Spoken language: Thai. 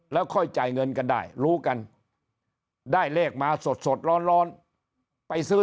แล้วค่อยจ่ายเงินกันได้รู้กันได้เลขมาสดร้อนไปซื้อ